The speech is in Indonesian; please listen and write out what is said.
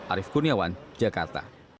arief kurniawan jakarta